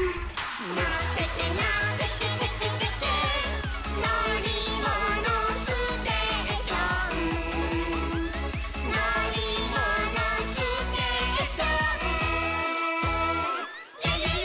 「のってけのってけテケテケ」「のりものステーション」「のりものステーション」「イエイイエイイエイイエイ！」